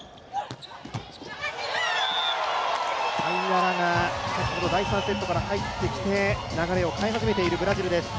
タイナラが第３セットから入ってきて流れを変え始めているブラジルです。